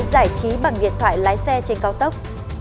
giải trí bằng điện thoại lái xe trên cao tốc